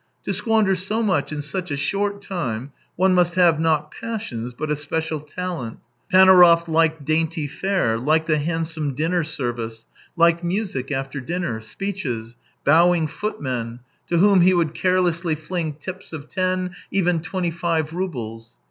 To squander so much in such a short time, one must have, not passions, but a special talent. Panaurov liked dainty fare, liked a handsome dinner service, liked music after dinner, speeches, bowing foot men, to whom he would carelessly fling tips of ten, even twenty live roubles.